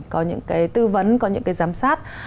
có những cái tư vấn có những cái giám sát